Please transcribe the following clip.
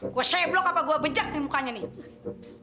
gue seblok apa gua bejak nih mukanya nih